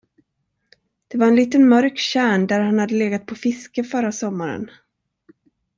Det var en liten mörk tjärn, där han hade legat på fiske förra sommaren.